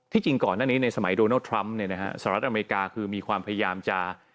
จริงก่อนหน้านี้ในสมัยโดนัลดทรัมป์สหรัฐอเมริกาคือมีความพยายามจะ